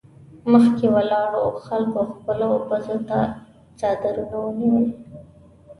مخکې ولاړو خلکو خپلو پزو ته څادرونه ونيول.